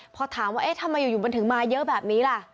พอถามว่าเอ๊ะทำไมอยู่มันถึงมาเยอะแบบนี้ล่ะ